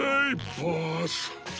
ボス。